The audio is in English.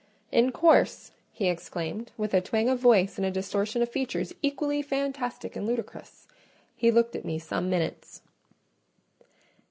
"In course!" he exclaimed, with a twang of voice and a distortion of features equally fantastic and ludicrous. He looked at me some minutes.